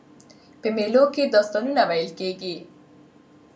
په مېلو کښي داستانونه ویل کېږي.